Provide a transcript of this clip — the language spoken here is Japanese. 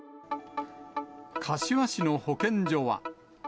柏市の保健所は。